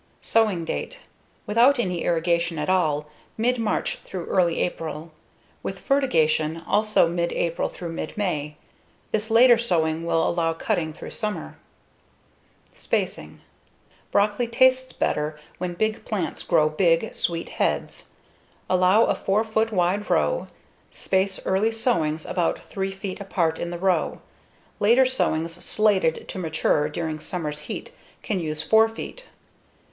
_Sowing date:_Without any irrigation at all, mid March through early April. With fertigation, also mid April through mid May. This later sowing will allow cutting through summer. Spacing: Brocoli tastes better when big plants grow big, sweet heads. Allow a 4 foot wide row. Space early sowings about 3 feet apart in the row; later sowings slated to mature during summer's heat can use 4 feet.